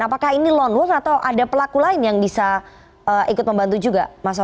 apakah ini wanwan atau ada lagi pelaku lain yang bisa membantu juga mas alfian